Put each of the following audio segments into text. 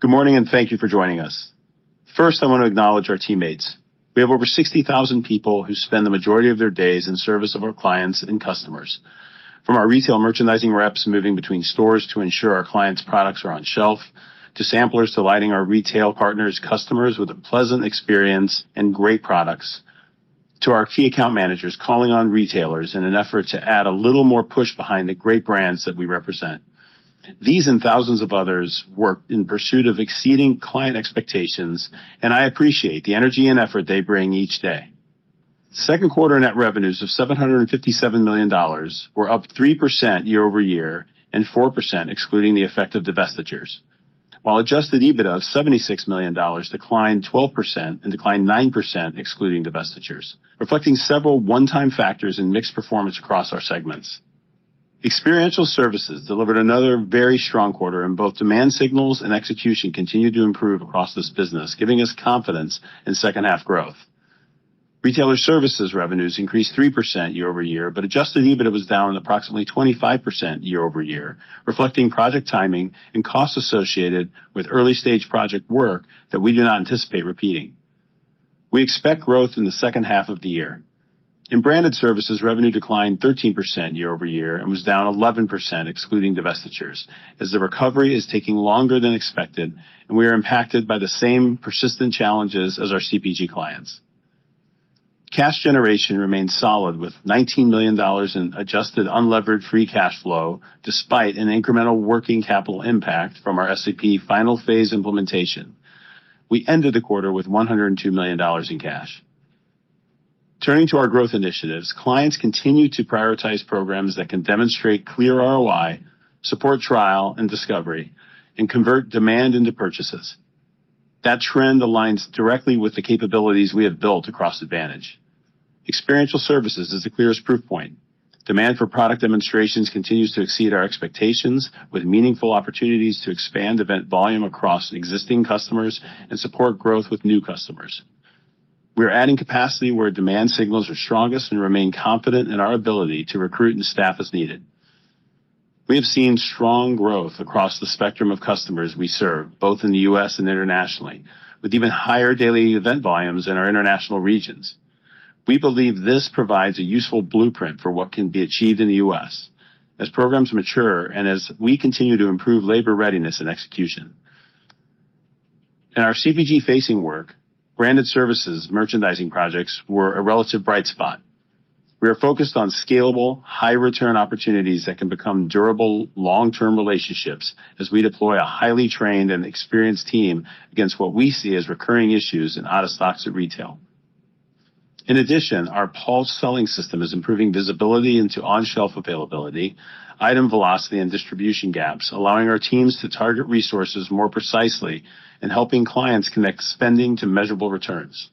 Good morning, and thank you for joining us. First, I want to acknowledge our teammates. We have over 60,000 people who spend the majority of their days in service of our clients and customers. From our retail merchandising reps moving between stores to ensure our clients' products are on shelf, to samplers delighting our retail partners' customers with a pleasant experience and great products, to our key account managers calling on retailers in an effort to add a little more push behind the great brands that we represent. These and thousands of others work in pursuit of exceeding client expectations, and I appreciate the energy and effort they bring each day. Second quarter net revenues of $757 million were up 3% year-over-year, and 4% excluding the effect of divestitures. While adjusted EBITDA of $76 million declined 12% and declined 9% excluding divestitures, reflecting several one-time factors and mixed performance across our segments. Experiential Services delivered another very strong quarter, and both demand signals and execution continued to improve across this business, giving us confidence in second half growth. Retailer Services revenues increased 3% year-over-year, but adjusted EBITDA was down approximately 25% year-over-year, reflecting project timing and costs associated with early-stage project work that we do not anticipate repeating. We expect growth in the second half of the year. In Branded Services, revenue declined 13% year-over-year and was down 11% excluding divestitures, as the recovery is taking longer than expected, and we are impacted by the same persistent challenges as our CPG clients. Cash generation remains solid, with $19 million in adjusted unlevered free cash flow, despite an incremental working capital impact from our SAP final phase implementation. We ended the quarter with $102 million in cash. Turning to our growth initiatives, clients continue to prioritize programs that can demonstrate clear ROI, support trial and discovery, and convert demand into purchases. That trend aligns directly with the capabilities we have built across Advantage. Experiential Services is the clearest proof point. Demand for product demonstrations continues to exceed our expectations, with meaningful opportunities to expand event volume across existing customers and support growth with new customers. We are adding capacity where demand signals are strongest and remain confident in our ability to recruit and staff as needed. We have seen strong growth across the spectrum of customers we serve, both in the U.S. and internationally, with even higher daily event volumes in our international regions. We believe this provides a useful blueprint for what can be achieved in the U.S. as programs mature and as we continue to improve labor readiness and execution. In our CPG-facing work, Branded Services merchandising projects were a relative bright spot. We are focused on scalable, high-return opportunities that can become durable, long-term relationships as we deploy a highly trained and experienced team against what we see as recurring issues in out-of-stocks at retail. In addition, our Pulse selling system is improving visibility into on-shelf availability, item velocity, and distribution gaps, allowing our teams to target resources more precisely and helping clients connect spending to measurable returns.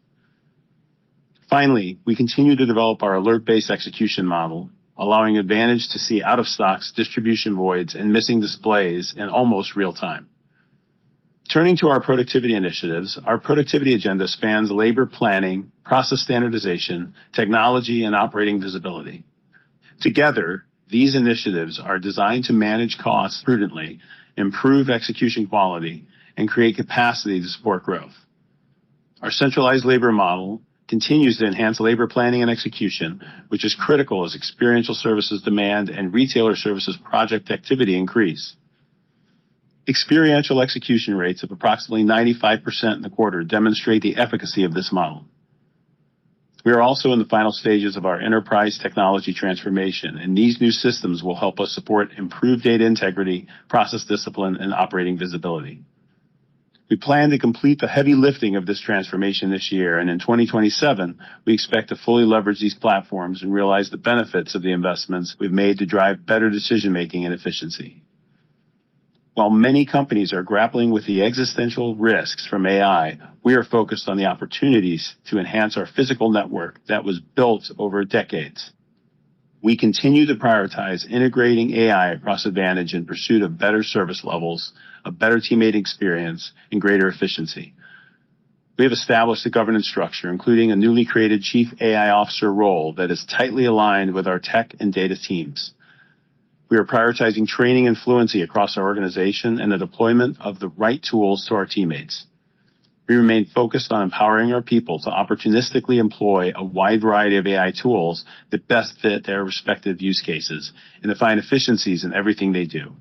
Finally, we continue to develop our alert-based execution model, allowing Advantage to see out-of-stocks, distribution voids, and missing displays in almost real time. Turning to our productivity initiatives, our productivity agenda spans labor planning, process standardization, technology, and operating visibility. Together, these initiatives are designed to manage costs prudently, improve execution quality, and create capacity to support growth. Our centralized labor model continues to enhance labor planning and execution, which is critical as Experiential Services demand and Retailer Services project activity increase. Experiential execution rates of approximately 95% in the quarter demonstrate the efficacy of this model. We are also in the final stages of our enterprise technology transformation, and these new systems will help us support improved data integrity, process discipline, and operating visibility. We plan to complete the heavy lifting of this transformation this year, and in 2027, we expect to fully leverage these platforms and realize the benefits of the investments we've made to drive better decision-making and efficiency. While many companies are grappling with the existential risks from AI, we are focused on the opportunities to enhance our physical network that was built over decades. We continue to prioritize integrating AI across Advantage in pursuit of better service levels, a better teammate experience, and greater efficiency. We have established a governance structure, including a newly created Chief AI Officer role that is tightly aligned with our tech and data teams. We are prioritizing training and fluency across our organization and the deployment of the right tools to our teammates. We remain focused on empowering our people to opportunistically employ a wide variety of AI tools that best fit their respective use cases and to find efficiencies in everything they do.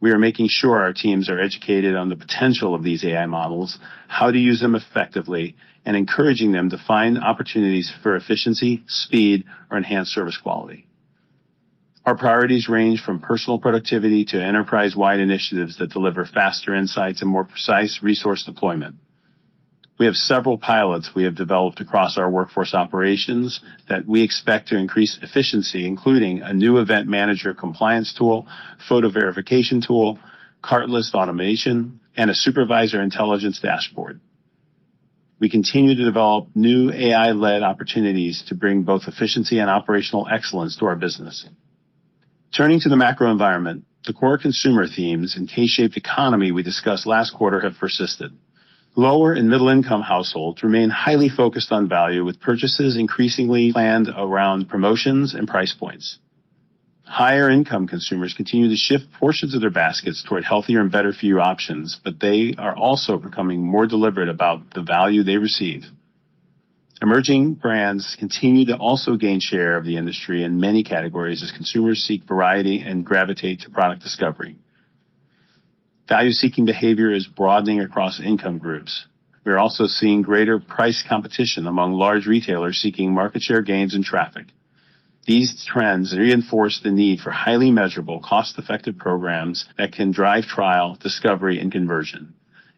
We are making sure our teams are educated on the potential of these AI models, how to use them effectively, and encouraging them to find opportunities for efficiency, speed, or enhanced service quality. Our priorities range from personal productivity to enterprise-wide initiatives that deliver faster insights and more precise resource deployment. We have several pilots we have developed across our workforce operations that we expect to increase efficiency, including a new event manager compliance tool, photo verification tool, cart list automation, and a supervisor intelligence dashboard. We continue to develop new AI-led opportunities to bring both efficiency and operational excellence to our business. Turning to the macro environment, the core consumer themes and K-shaped economy we discussed last quarter have persisted. Lower and middle-income households remain highly focused on value, with purchases increasingly planned around promotions and price points. Higher income consumers continue to shift portions of their baskets toward healthier and better for you options, but they are also becoming more deliberate about the value they receive. Emerging brands continue to also gain share of the industry in many categories as consumers seek variety and gravitate to product discovery. Value-seeking behavior is broadening across income groups. We are also seeing greater price competition among large retailers seeking market share gains and traffic. These trends reinforce the need for highly measurable, cost-effective programs that can drive trial, discovery, and conversion.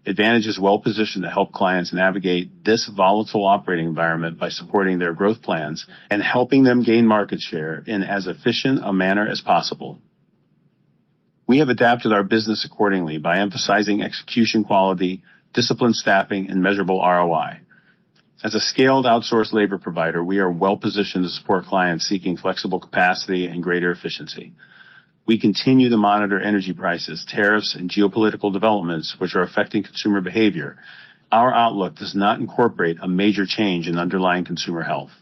Advantage is well-positioned to help clients navigate this volatile operating environment by supporting their growth plans and helping them gain market share in as efficient a manner as possible. We have adapted our business accordingly by emphasizing execution quality, disciplined staffing, and measurable ROI. As a scaled outsourced labor provider, we are well-positioned to support clients seeking flexible capacity and greater efficiency. We continue to monitor energy prices, tariffs, and geopolitical developments, which are affecting consumer behavior. Our outlook does not incorporate a major change in underlying consumer health.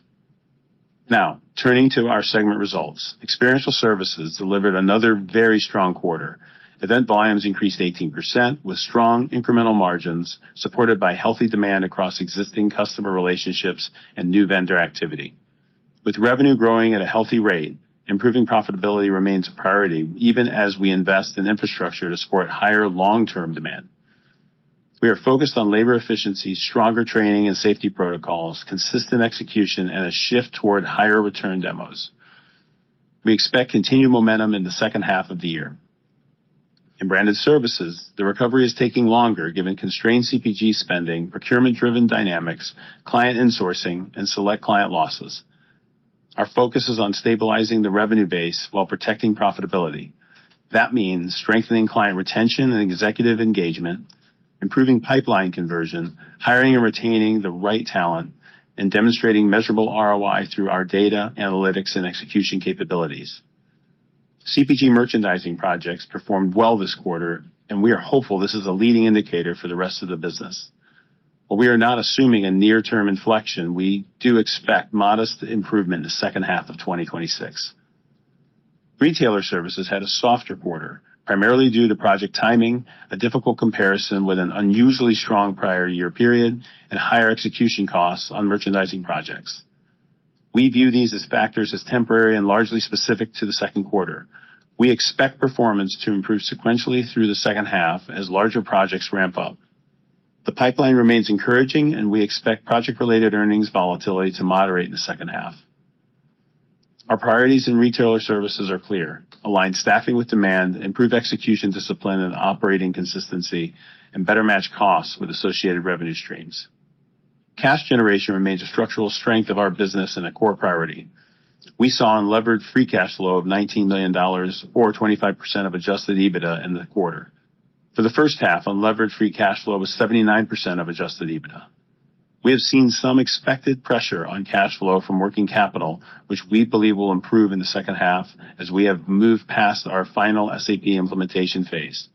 Now, turning to our segment results. Experiential Services delivered another very strong quarter. Event volumes increased 18%, with strong incremental margins supported by healthy demand across existing customer relationships and new vendor activity. With revenue growing at a healthy rate, improving profitability remains a priority even as we invest in infrastructure to support higher long-term demand. We are focused on labor efficiency, stronger training and safety protocols, consistent execution, and a shift toward higher return demos. We expect continued momentum in the second half of the year. In Branded Services, the recovery is taking longer given constrained CPG spending, procurement-driven dynamics, client insourcing, and select client losses. Our focus is on stabilizing the revenue base while protecting profitability. That means strengthening client retention and executive engagement, improving pipeline conversion, hiring and retaining the right talent, and demonstrating measurable ROI through our data, analytics, and execution capabilities. CPG merchandising projects performed well this quarter, and we are hopeful this is a leading indicator for the rest of the business. While we are not assuming a near-term inflection, we do expect modest improvement in the second half of 2026. Retailer Services had a softer quarter, primarily due to project timing, a difficult comparison with an unusually strong prior year period, and higher execution costs on merchandising projects. We view these factors as temporary and largely specific to the second quarter. We expect performance to improve sequentially through the second half as larger projects ramp up. The pipeline remains encouraging, and we expect project-related earnings volatility to moderate in the second half. Our priorities in Retailer Services are clear: align staffing with demand, improve execution discipline and operating consistency, and better match costs with associated revenue streams. Cash generation remains a structural strength of our business and a core priority. We saw unlevered free cash flow of $19 million, or 25% of adjusted EBITDA in the quarter. For the first half, unlevered free cash flow was 79% of adjusted EBITDA. We have seen some expected pressure on cash flow from working capital, which we believe will improve in the second half as we have moved past our final SAP implementation phase.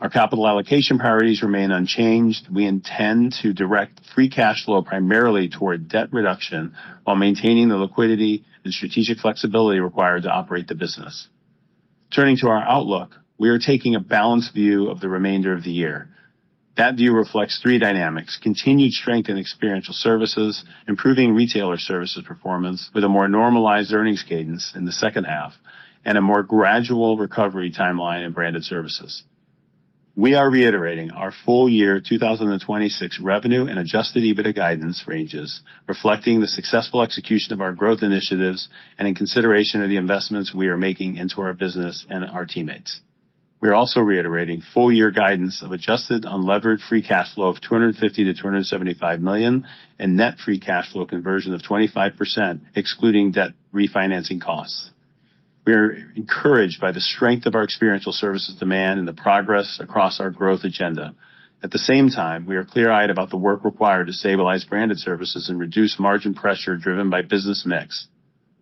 Our capital allocation priorities remain unchanged. We intend to direct free cash flow primarily toward debt reduction while maintaining the liquidity and strategic flexibility required to operate the business. Turning to our outlook, we are taking a balanced view of the remainder of the year. That view reflects three dynamics: continued strength in Experiential Services, improving Retailer Services performance with a more normalized earnings cadence in the second half, and a more gradual recovery timeline in Branded Services. We are reiterating our full year 2026 revenue and adjusted EBITDA guidance ranges, reflecting the successful execution of our growth initiatives and in consideration of the investments we are making into our business and our teammates. We are also reiterating full-year guidance of adjusted unlevered free cash flow of $250 million-$275 million and net free cash flow conversion of 25%, excluding debt refinancing costs. We are encouraged by the strength of our Experiential Services demand and the progress across our growth agenda. At the same time, we are clear-eyed about the work required to stabilize Branded Services and reduce margin pressure driven by business mix.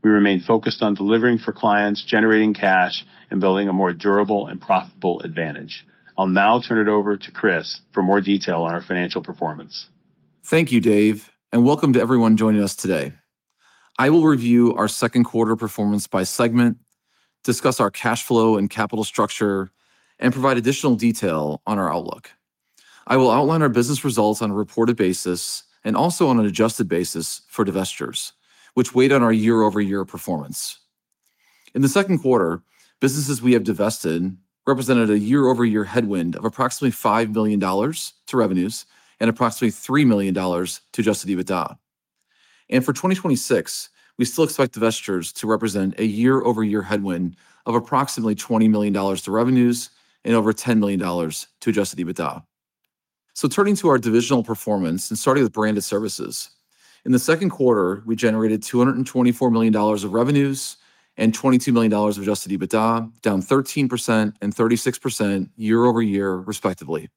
We remain focused on delivering for clients, generating cash, and building a more durable and profitable Advantage. I'll now turn it over to Chris for more detail on our financial performance. Thank you, Dave, and welcome to everyone joining us today. I will review our second quarter performance by segment, discuss our cash flow and capital structure, and provide additional detail on our outlook. I will outline our business results on a reported basis and also on an adjusted basis for divestitures, which weighed on our year-over-year performance. In the second quarter, businesses we have divested represented a year-over-year headwind of approximately $5 million to revenues and approximately $3 million to adjusted EBITDA. For 2026, we still expect divestitures to represent a year-over-year headwind of approximately $20 million to revenues and over $10 million to adjusted EBITDA. Turning to our divisional performance and starting with Branded Services. In the second quarter, we generated $224 million of revenues and $22 million of adjusted EBITDA, down 13% and 36% year-over-year respectively.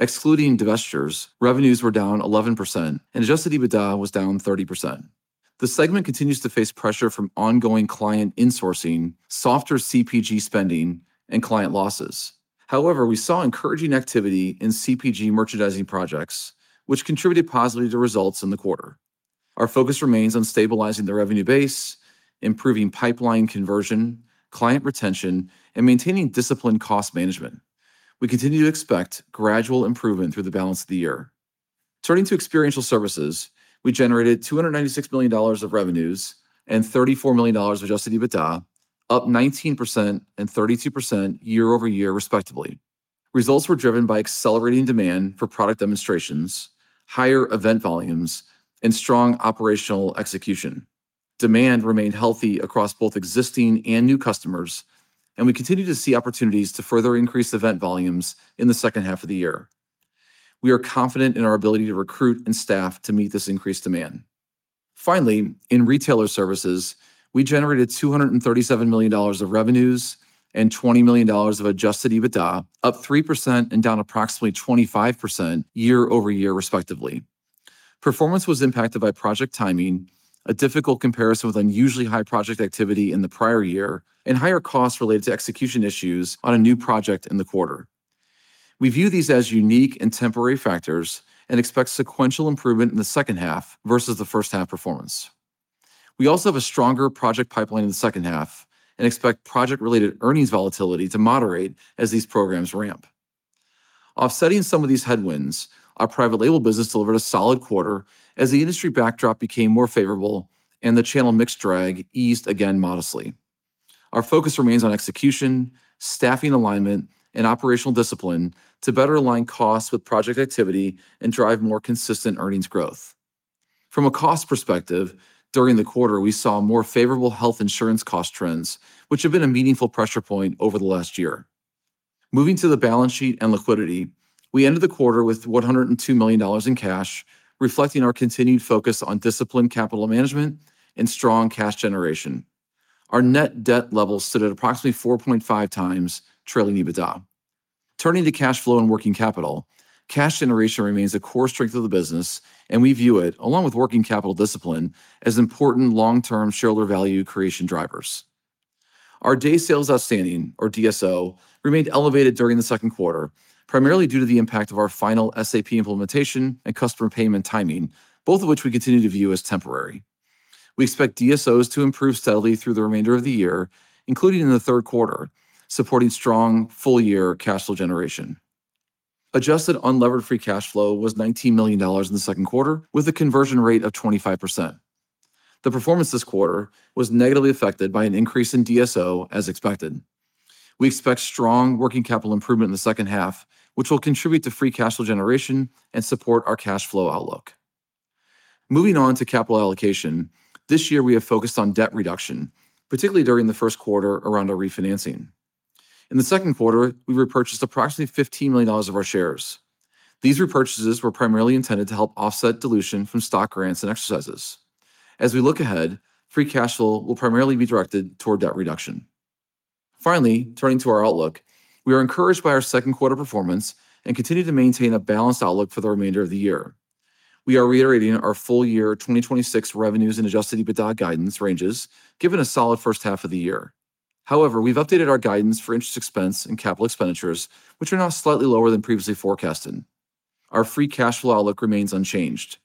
Excluding divestitures, revenues were down 11% and adjusted EBITDA was down 30%. The segment continues to face pressure from ongoing client insourcing, softer CPG spending, and client losses. However, we saw encouraging activity in CPG merchandising projects, which contributed positively to results in the quarter. Our focus remains on stabilizing the revenue base, improving pipeline conversion, client retention, and maintaining disciplined cost management. We continue to expect gradual improvement through the balance of the year. Turning to Experiential Services, we generated $296 million of revenues and $34 million of adjusted EBITDA, up 19% and 32% year-over-year respectively. Results were driven by accelerating demand for product demonstrations, higher event volumes, and strong operational execution. Demand remained healthy across both existing and new customers, and we continue to see opportunities to further increase event volumes in the second half of the year. We are confident in our ability to recruit and staff to meet this increased demand. Finally, in Retailer Services, we generated $237 million of revenues and $20 million of adjusted EBITDA, up 3% and down approximately 25% year-over-year respectively. Performance was impacted by project timing, a difficult comparison with unusually high project activity in the prior year, and higher costs related to execution issues on a new project in the quarter. We view these as unique and temporary factors and expect sequential improvement in the second half versus the first half performance. We also have a stronger project pipeline in the second half and expect project-related earnings volatility to moderate as these programs ramp. Offsetting some of these headwinds, our private label business delivered a solid quarter as the industry backdrop became more favorable and the channel mix drag eased again modestly. Our focus remains on execution, staffing alignment, and operational discipline to better align costs with project activity and drive more consistent earnings growth. From a cost perspective, during the quarter, we saw more favorable health insurance cost trends, which have been a meaningful pressure point over the last year. Moving to the balance sheet and liquidity, we ended the quarter with $102 million in cash, reflecting our continued focus on disciplined capital management and strong cash generation. Our net debt level stood at approximately 4.5x trailing adjusted EBITDA. Turning to cash flow and working capital, cash generation remains a core strength of the business, and we view it, along with working capital discipline, as important long-term shareholder value creation drivers. Our Day Sales Outstanding, or DSO, remained elevated during the second quarter, primarily due to the impact of our final SAP implementation and customer payment timing, both of which we continue to view as temporary. We expect DSOs to improve steadily through the remainder of the year, including in the third quarter, supporting strong full-year cash flow generation. Adjusted unlevered free cash flow was $19 million in the second quarter, with a conversion rate of 25%. The performance this quarter was negatively affected by an increase in DSO as expected. We expect strong working capital improvement in the second half, which will contribute to free cash flow generation and support our cash flow outlook. Moving on to capital allocation. This year, we have focused on debt reduction, particularly during the first quarter around our refinancing. In the second quarter, we repurchased approximately $15 million of our shares. These repurchases were primarily intended to help offset dilution from stock grants and exercises. As we look ahead, free cash flow will primarily be directed toward debt reduction. Finally, turning to our outlook. We are encouraged by our second quarter performance and continue to maintain a balanced outlook for the remainder of the year. We are reiterating our full-year 2026 revenues and adjusted EBITDA guidance ranges, given a solid first half of the year. However, we've updated our guidance for interest expense and capital expenditures, which are now slightly lower than previously forecasted. Our free cash flow outlook remains unchanged.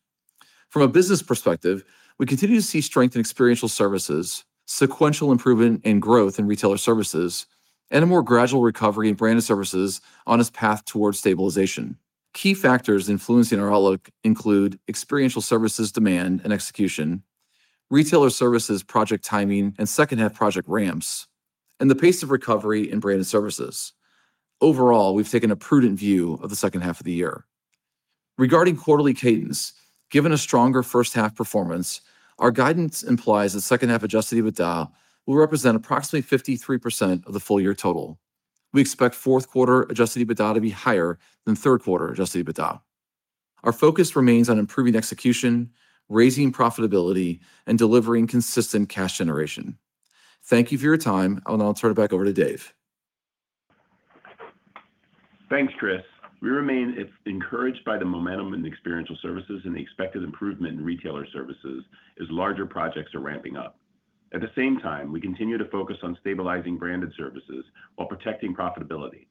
From a business perspective, we continue to see strength in Experiential Services, sequential improvement and growth in Retailer Services, and a more gradual recovery in Branded Services on its path towards stabilization. Key factors influencing our outlook include Experiential Services demand and execution, Retailer Services project timing and second half project ramps, and the pace of recovery in Branded Services. Overall, we've taken a prudent view of the second half of the year. Regarding quarterly cadence, given a stronger first half performance, our guidance implies that second half adjusted EBITDA will represent approximately 53% of the full-year total. We expect fourth quarter adjusted EBITDA to be higher than third quarter adjusted EBITDA. Our focus remains on improving execution, raising profitability, and delivering consistent cash generation. Thank you for your time, and I'll turn it back over to Dave. Thanks, Chris. We remain encouraged by the momentum in Experiential Services and the expected improvement in Retailer Services as larger projects are ramping up. At the same time, we continue to focus on stabilizing Branded Services while protecting profitability.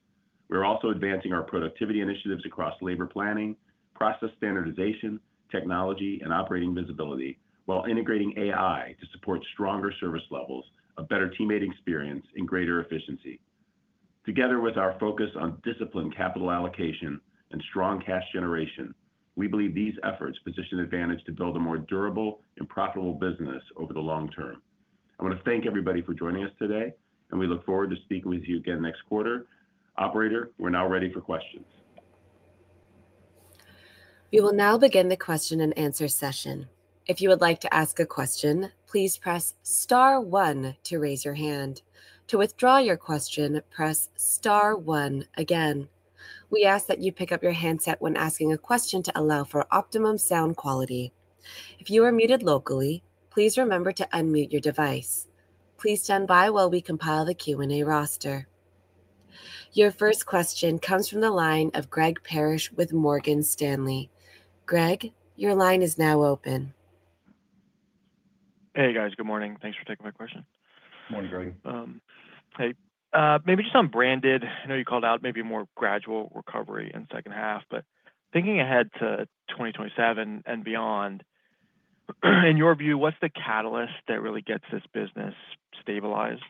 We are also advancing our productivity initiatives across labor planning, process standardization, technology, and operating visibility while integrating AI to support stronger service levels, a better teammate experience, and greater efficiency. Together with our focus on disciplined capital allocation and strong cash generation, we believe these efforts position Advantage to build a more durable and profitable business over the long term. I want to thank everybody for joining us today, and we look forward to speaking with you again next quarter. Operator, we're now ready for questions. We will now begin the question-and-answer session. If you would like to ask a question, please press star one to raise your hand. To withdraw your question, press star one again. We ask that you pick up your handset when asking a question to allow for optimum sound quality. If you are muted locally, please remember to unmute your device. Please stand by while we compile the Q&A roster. Your first question comes from the line of Greg Parrish with Morgan Stanley. Greg, your line is now open. Hey, guys. Good morning. Thanks for taking my question. Morning, Greg. Hey. Maybe just on Branded, I know you called out maybe a more gradual recovery in the second half, but thinking ahead to 2027 and beyond, in your view, what's the catalyst that really gets this business stabilized?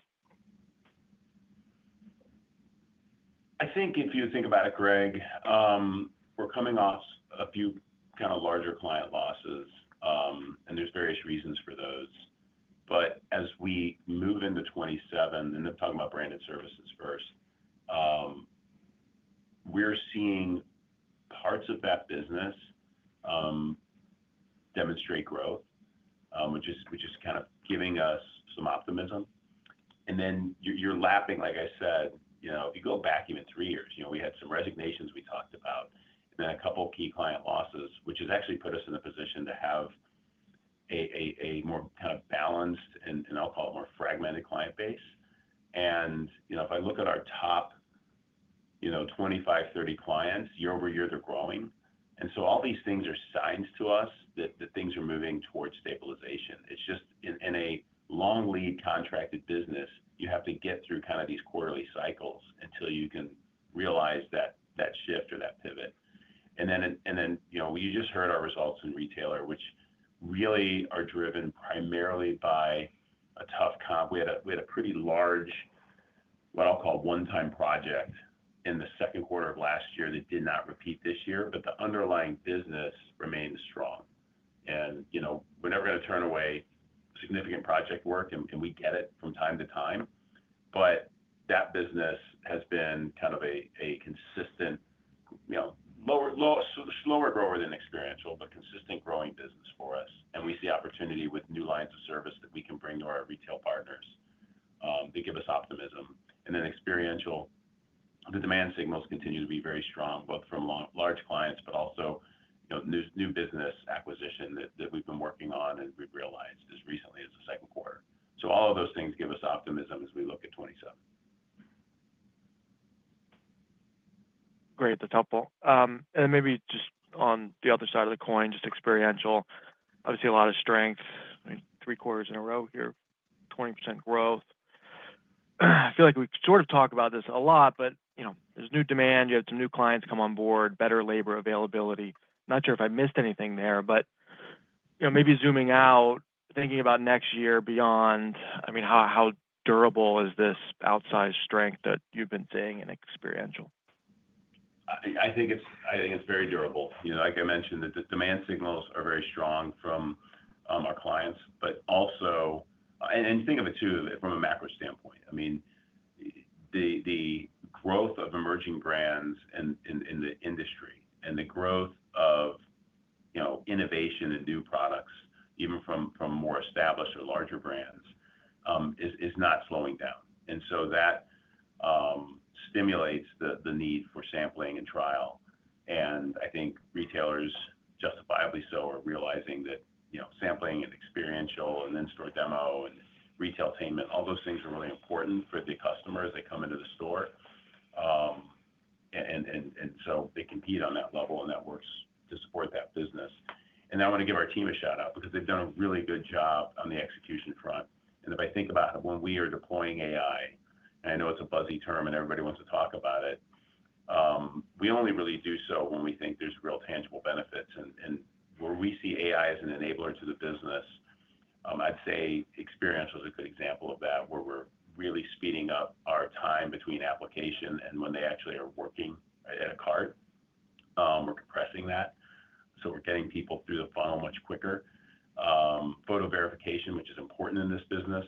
I think if you think about it, Greg, we're coming off a few kind of larger client losses, and there's various reasons for those. As we move into 2027, talking about Branded Services first, we're seeing parts of that business demonstrate growth, which is kind of giving us some optimism. Then you're lapping, like I said. If you go back even three years, we had some resignations we talked about, and then a couple key client losses, which has actually put us in a position to have a more kind of balanced, and I'll call it more fragmented, client base. If I look at our top 25, 30 clients, year-over-year, they're growing. All these things are signs to us that things are moving towards stabilization. It's just in a long lead contracted business, you have to get through these quarterly cycles until you can realize that shift or that pivot. Then you just heard our results in Retailer, which really are driven primarily by a tough comp. We had a pretty large, what I'll call one-time project in the second quarter of last year that did not repeat this year, but the underlying business remains strong. We're never going to turn away significant project work, and we get it from time to time. That business has been kind of a consistent, slower grower than Experiential, but consistent growing business for us. We see opportunity with new lines of service that we can bring to our retail partners that give us optimism. Then Experiential, the demand signals continue to be very strong, both from large clients, but also, new business acquisition that we've been working on and we've realized as recently as the second quarter. All of those things give us optimism as we look at 2027. Great. That's helpful. Then maybe just on the other side of the coin, just Experiential, obviously a lot of strength, three quarters in a row here, 20% growth. I feel like we've sort of talked about this a lot, but there's new demand. You have some new clients come on board, better labor availability. Not sure if I missed anything there, maybe zooming out, thinking about next year beyond, how durable is this outsized strength that you've been seeing in Experiential? I think it's very durable. Like I mentioned, the demand signals are very strong from our clients, but also think of it too, from a macro standpoint. The growth of emerging brands in the industry and the growth of innovation and new products, even from more established or larger brands, is not slowing down. So that stimulates the need for sampling and trial. I think retailers, justifiably so, are realizing that sampling and Experiential and in-store demo and retail media, all those things are really important for the customer as they come into the store. So they compete on that level, and that works to support that business. I want to give our team a shout-out because they've done a really good job on the execution front. If I think about when we are deploying AI, and I know it's a buzzy term and everybody wants to talk about it, we only really do so when we think there's real tangible benefits. Where we see AI as an enabler to the business, I'd say Experiential is a good example of that, where we're really speeding up our time between application and when they actually are working at a cart. We're compressing that, so we're getting people through the funnel much quicker. Photo verification, which is important in this business,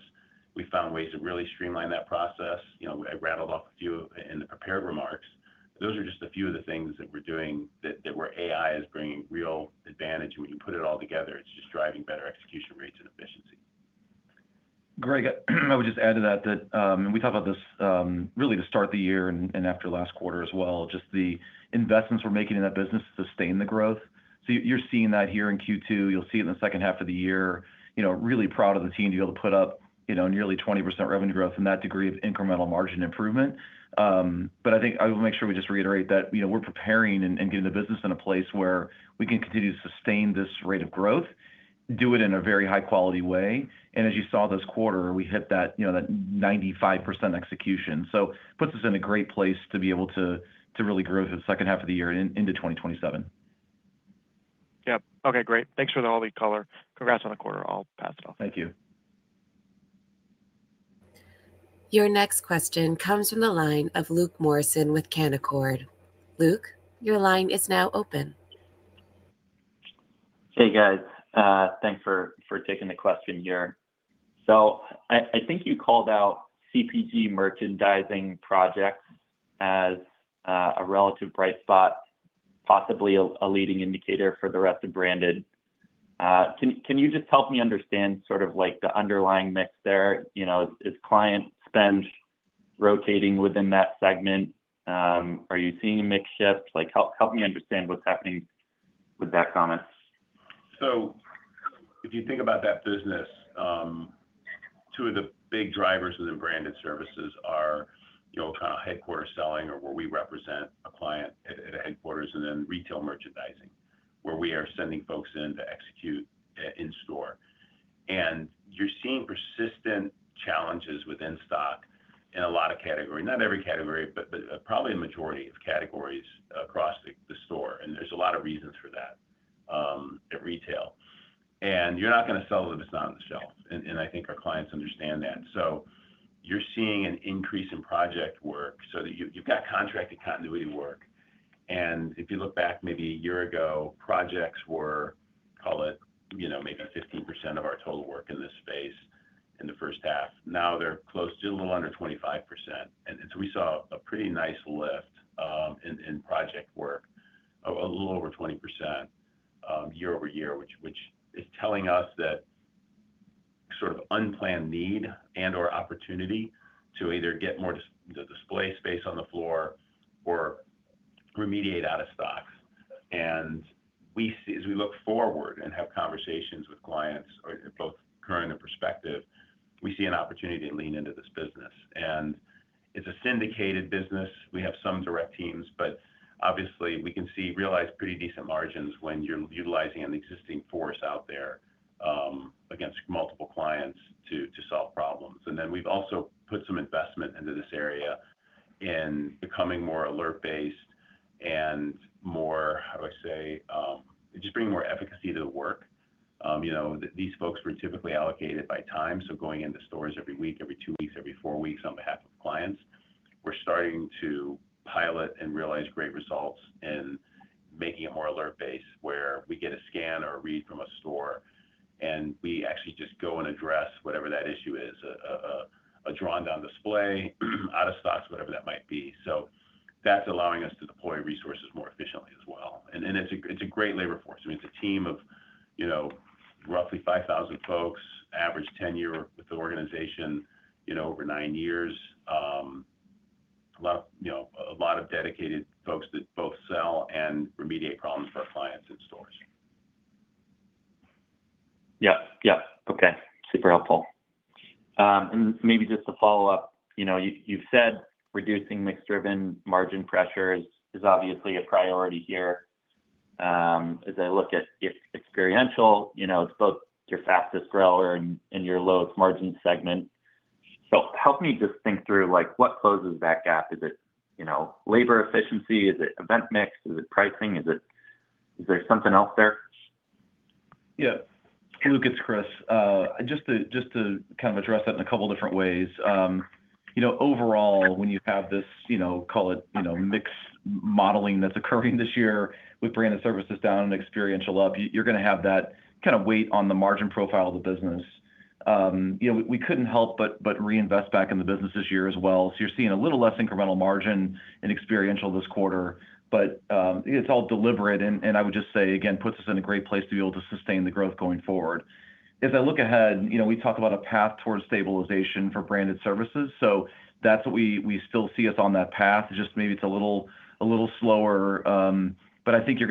we found ways to really streamline that process. I rattled off a few in the prepared remarks. Those are just a few of the things that we're doing that where AI is bringing real advantage, and when you put it all together, it's just driving better execution rates and efficiency. Greg, I would just add to that, we talk about this really to start the year and after last quarter as well, just the investments we're making in that business to sustain the growth. You're seeing that here in Q2. You'll see it in the second half of the year. Really proud of the team to be able to put up nearly 20% revenue growth and that degree of incremental margin improvement. I think I will make sure we just reiterate that we're preparing and getting the business in a place where we can continue to sustain this rate of growth, do it in a very high-quality way, and as you saw this quarter, we hit that 95% execution. Puts us in a great place to be able to really grow through the second half of the year and into 2027. Yep. Okay, great. Thanks for all the color. Congrats on the quarter. I'll pass it off. Thank you. Your next question comes from the line of Luke Morison with Canaccord. Luke, your line is now open. Hey, guys. Thanks for taking the question here. I think you called out CPG merchandising projects as a relative bright spot, possibly a leading indicator for the rest of Branded. Can you just help me understand the underlying mix there? Is client spend rotating within that segment? Are you seeing a mix shift? Help me understand what's happening with that comment. If you think about that business. Two of the big drivers within Branded Services are kind of headquarter selling or where we represent a client at a headquarters, then Retail Merchandising, where we are sending folks in to execute in-store. You're seeing persistent challenges within stock in a lot of categories. Not every category, but probably a majority of categories across the store. There's a lot of reasons for that at retail. You're not going to sell what is not on the shelf. I think our clients understand that. You're seeing an increase in project work so that you've got contracted continuity work. If you look back maybe a year ago, projects were, call it, maybe 15% of our total work in this space in the first half. Now they're close to a little under 25%. We saw a pretty nice lift in project work, a little over 20% year-over-year, which is telling us that sort of unplanned need and/or opportunity to either get more display space on the floor or remediate out-of-stocks. As we look forward and have conversations with clients, both current and prospective, we see an opportunity to lean into this business. It's a syndicated business. We have some direct teams, but obviously we can realize pretty decent margins when you're utilizing an existing force out there against multiple clients to solve problems. We've also put some investment into this area in becoming more alert based and more, how do I say, just bringing more efficacy to the work. These folks were typically allocated by time, so going into stores every week, every two weeks, every four weeks on behalf of clients. We're starting to pilot and realize great results in making it more alert based, where we get a scan or a read from a store and we actually just go and address whatever that issue is, a drawn down display, out-of-stocks, whatever that might be. That's allowing us to deploy resources more efficiently as well. It's a great labor force. I mean, it's a team of roughly 5,000 folks, average tenure with the organization over nine years. A lot of dedicated folks that both sell and remediate problems for our clients in stores. Yeah. Okay. Super helpful. Maybe just to follow up, you've said reducing mix-driven margin pressure is obviously a priority here. As I look at Experiential Services, it's both your fastest grower and your lowest margin segment. Help me just think through what closes that gap. Is it labor efficiency? Is it event mix? Is it pricing? Is there something else there? Yeah. Hey Luke, it's Chris. Just to kind of address that in a couple different ways. Overall, when you have this, call it mix modeling that's occurring this year with Branded Services down and Experiential up, you're going to have that kind of weight on the margin profile of the business. We couldn't help but reinvest back in the business this year as well. You're seeing a little less incremental margin in Experiential this quarter. It's all deliberate and I would just say, again, puts us in a great place to be able to sustain the growth going forward. As I look ahead, we talk about a path towards stabilization for Branded Services. That's what we still see us on that path. Just maybe it's a little slower. I think you're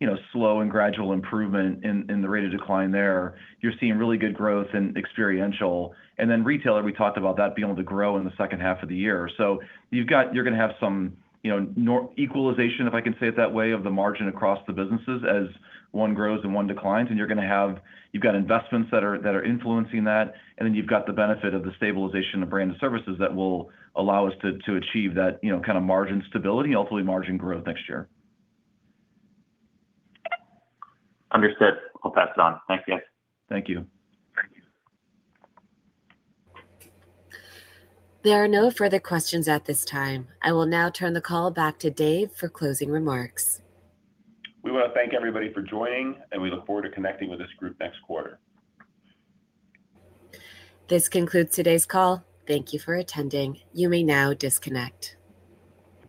going to see that slow and gradual improvement in the rate of decline there. You're seeing really good growth in Experiential. Retailer, we talked about that being able to grow in the second half of the year. You're going to have some equalization, if I can say it that way, of the margin across the businesses as one grows and one declines. You've got investments that are influencing that. You've got the benefit of the stabilization of Branded Services that will allow us to achieve that kind of margin stability and ultimately margin growth next year. Understood. I'll pass it on. Thanks, guys. Thank you. Thank you. There are no further questions at this time. I will now turn the call back to Dave for closing remarks. We want to thank everybody for joining, and we look forward to connecting with this group next quarter. This concludes today's call. Thank you for attending. You may now disconnect.